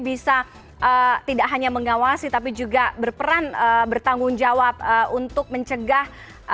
bisa tidak hanya mengawasi tapi juga berperan bertanggung jawab untuk mencegah